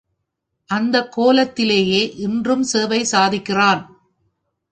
அந்தக் கோலத்திலேயே இன்றும் சேவை சாதிக்கிறான்.